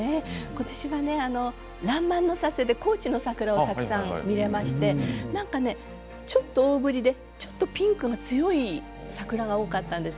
今年はね「らんまん」の撮影で高知の桜をたくさん見られましてちょっと大ぶりで、ちょっとピンクが強い桜が多かったんです。